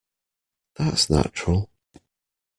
That's natural.